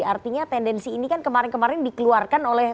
artinya tendensi ini kan kemarin kemarin dikeluarkan oleh